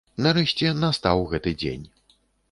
Нарэшце настаў гэты дзень.